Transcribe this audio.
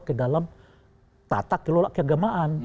ke dalam tata kelola keagamaan